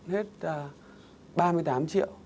hết ba mươi tám triệu